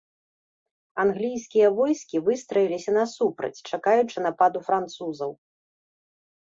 Англійскія войскі выстраіліся насупраць, чакаючы нападу французаў.